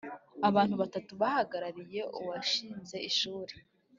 Abantu batatu bahagarariye uwashinze Ishuri